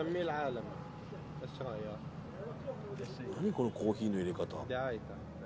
このコーヒーの入れ方。